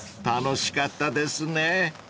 ［楽しかったですね］